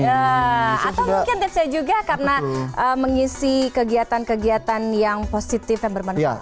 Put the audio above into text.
ya atau mungkin tipsnya juga karena mengisi kegiatan kegiatan yang positif yang bermanfaat